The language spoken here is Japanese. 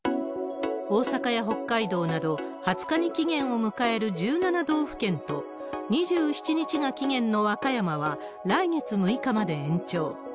大阪や北海道など、２０日に期限を迎える１７道府県と、２７日が期限の和歌山は来月６日まで延長。